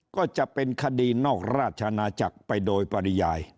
ก็จะเป็นคดีนอกราชนาจักรไปโดยปริยาย